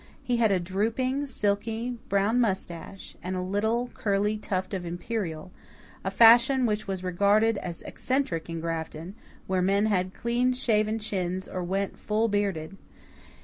He had a drooping, silky, brown moustache, and a little curly tuft of imperial, a fashion which was regarded as eccentric in Grafton, where men had clean shaven chins or went full bearded.